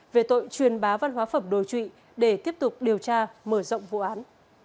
về tội truyền bá văn hóa phẩm đồ trụy để tiếp tục điều tra mở rộng vụ án